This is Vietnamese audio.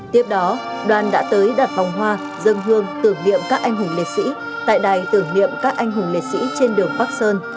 tiếp đó đoàn đã tới đặt vòng hoa dân hương tưởng niệm các anh hùng liệt sĩ tại đài tưởng niệm các anh hùng liệt sĩ trên đường bắc sơn